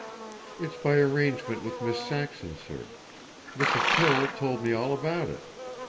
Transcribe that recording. "It's by arrangement with Miss Saxon, sir. Mrs. Pill told me all about it.